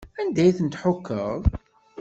Anda ay ten-tḥukkeḍ?